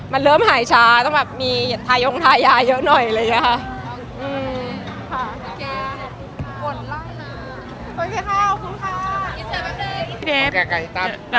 มันเริ่มหายช้ามันจะมีถ่ายยงถ่ายยาเยอะหน่อยโบราณเลย